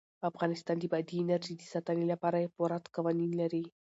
افغانستان د بادي انرژي د ساتنې لپاره پوره قوانین لري.